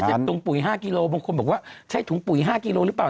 มันไม่เจ็บตุงปุ๋ย๕กิโลบาทบางคนบอกว่าใช้ถุงปุ๋ย๕กิโลบาทหรือเปล่า